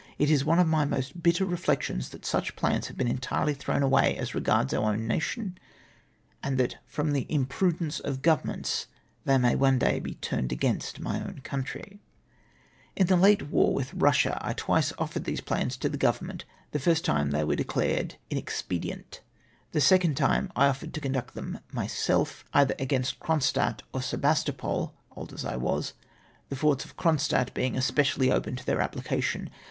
It is one of my most bitter reflections that such plans have been utterly thrown away as regards our own nation, and that from the imprudence of Governments they may one day be turned against my own country. 236 FAITH KEPT WITH MY COUXTrtY In the late war witli Eussia, I twice offered these plans to the Government. Tlie hrst time tliey were de clared ^^inexpedient!'' The second time I offered to conduct them myself^ either against Cronstadt or Sebas topol — old as I w^as — the forts of Cronstadt being especially open to their apphcation.